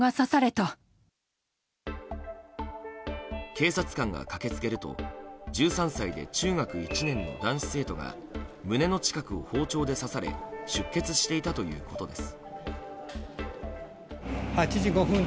警察官が駆けつけると１３歳で中学１年の男子生徒が胸の近くを包丁で刺され出血していたということです。